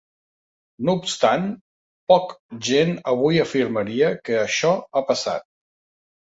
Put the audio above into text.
No obstant, poc gent avui afirmaria que això ha passat.